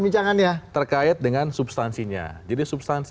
jelasin dulu dong